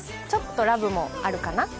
ちょっとラブもあるかな？